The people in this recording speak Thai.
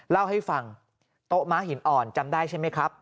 เล่าให้ฟังโต๊ะม้าหินอ่อนจำได้ใช่ไหมครับ